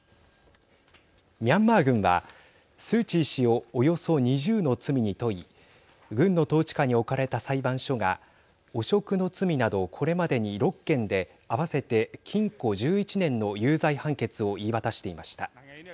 ミャンマー軍はスー・チー氏をおよそ、２０の罪に問い軍の統治下に置かれた裁判所が汚職の罪など、これまでに６件で合わせて禁錮１１年の有罪判決を言い渡していました。